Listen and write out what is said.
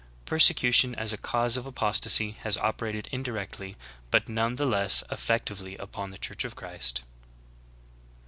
Persecution as a cause of apostasy has operated indirectly but none the less eggctively upon the Church of Christ."